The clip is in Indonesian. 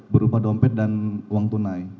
berupa dompet dan uang tunai